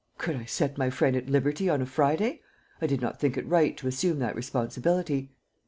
Could I set my friend at liberty on a Friday? I did not think it right to assume that responsibility.